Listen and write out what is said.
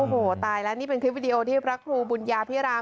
โอ้โหตายแล้วนี่เป็นคลิปวิดีโอที่พระครูบุญญาพิราม